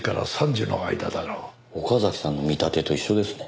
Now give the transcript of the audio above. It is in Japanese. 岡崎さんの見立てと一緒ですね。